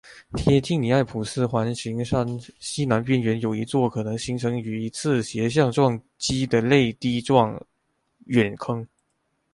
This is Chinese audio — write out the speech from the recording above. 贴近尼埃普斯环形山西南边缘有一座可能形成于一次斜向撞击的泪滴状陨坑。